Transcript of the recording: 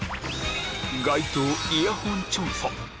街頭イヤホン調査。